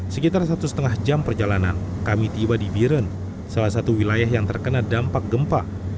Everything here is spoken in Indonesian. sekitar satu lima jam perjalanan kami tiba di biren salah satu wilayah yang terkena dampak gempa